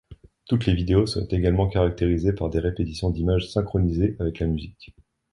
Toutes les vidéos sont également caractérisées par des répétitions d'images synchronisées avec la musique.